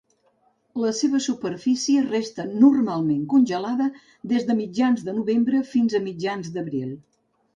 La seva superfície resta normalment congelada des de mitjans de novembre fins a mitjans d'abril.